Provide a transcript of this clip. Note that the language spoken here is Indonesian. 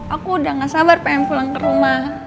aku udah gak sabar pengen pulang ke rumah